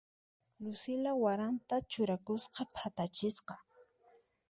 Lucila waranta churakuspa phatachisqa.